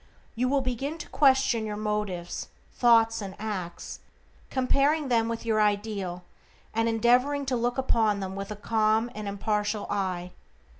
You will begin to question your motives, thoughts, and acts, comparing them with your ideal, and endeavoring to look upon them with a calm and impartial eye.